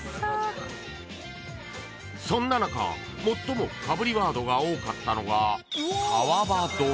［そんな中最もかぶりワードが多かったのが］